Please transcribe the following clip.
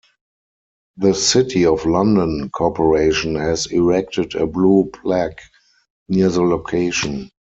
The City of London Corporation has erected a Blue Plaque near the location.